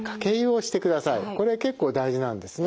これ結構大事なんですね。